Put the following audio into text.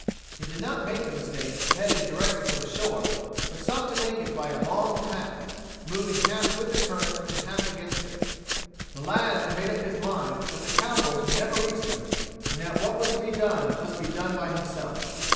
He did not make the mistake of heading directly for the shore, but sought to make it by a long tack, moving half with the current and half against it. The lad had made up his mind that the cowboys would never reach them and that what was to be done must be done by himself.